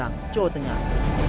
marang jawa tengah